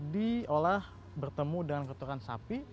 diolah bertemu dengan kotoran sapi